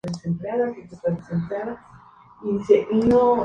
La sede de la mancomunidad se encuentra en la ciudad de Guadalajara.